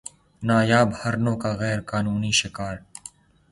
نایاب ہرنوں کا غیر قانونی شکار